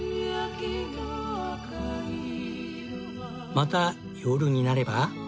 また夜になれば。